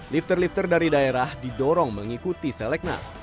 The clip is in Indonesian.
lifter lifter dari daerah didorong mengikuti selek nas